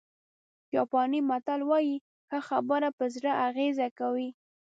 جاپاني متل وایي ښه خبره په زړه اغېزه کوي.